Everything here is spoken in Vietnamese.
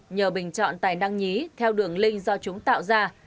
nhờ bình chọn tài năng nhí theo đường link do chúng tạo ra